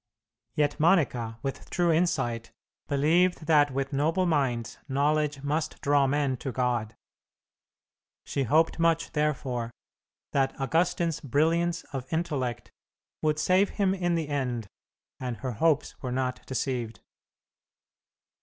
Yet Monica, with true insight, believed that with noble minds knowledge must draw men to God; she hoped much, therefore, that Augustine's brilliance of intellect would save him in the end, and her hopes were not deceived.